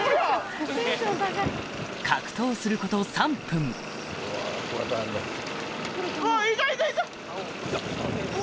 格闘すること３分お！